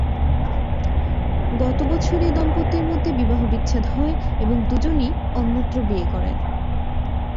গত বছর এ দম্পতির মধ্যে বিবাহবিচ্ছেদ হয় এবং দুজনই অন্যত্র বিয়ে করেন।